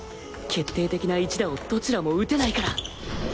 決定的な一打をどちらも打てないから